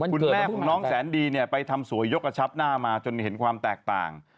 คุณแม่ของน้องแสนดีเนี่ยไปทำสวยยกกระชับหน้ามาจนเห็นความแตกต่าง